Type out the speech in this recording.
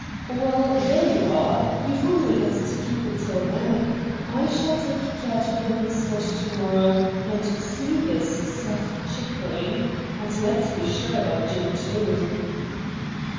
' Well, there you are. You've only got to keep it tiD then. I shall take care to be on the spot to morrow and see this Seth Chicker ing. I'd like to be sure about Jim, too.'